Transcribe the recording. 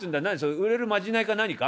売れるまじないか何か？